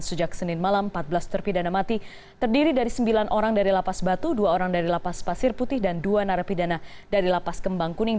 sejak senin malam empat belas terpidana mati terdiri dari sembilan orang dari lapas batu dua orang dari lapas pasir putih dan dua narapidana dari lapas kembang kuning